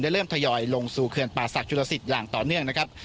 ได้เริ่มทยอยลงสู่เคือนป่าสักจุลสิทธิ์อย่างต่อเนื่องนะครับ